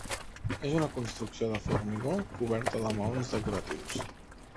És una construcció de formigó, coberta de maons decoratius.